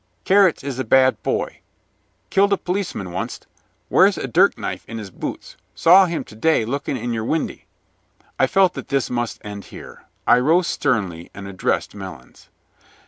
"Carrots is a bad boy. Killed a policeman onct. Wears a dirk knife in his boots, saw him to day looking in your windy." I felt that this must end here. I rose sternly and addressed Melons.